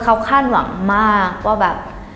เขาคาดหวังมากว่าแบบ